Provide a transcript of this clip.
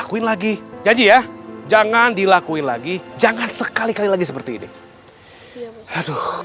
untuk kita disimpulnya